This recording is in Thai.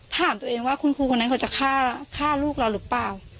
ถามตัวเองว่าคุณครูคนนั้นเขาจะฆ่าลูกเราหรือเปล่า